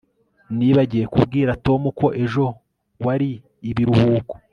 Nibagiwe kubwira Tom ko ejo wari ibiruhuko